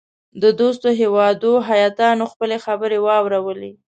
د دوستو هیوادو هیاتونو خپلي خبرې واورلې.